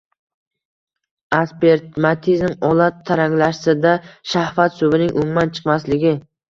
Aspermatizm – olat taranglashsa-da shahvat suvining umuman chiqmasligi.